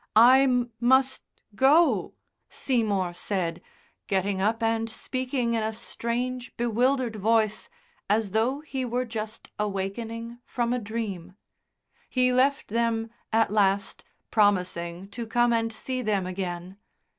"I must go," Seymour said, getting up and speaking in a strange, bewildered voice as though he were just awakening from a dream. He left them, at last, promising to come and see them again.